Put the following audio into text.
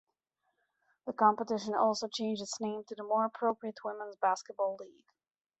The competition also changed its name to the more appropriate Women's Basketball League.